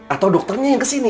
atau dokternya yang kesini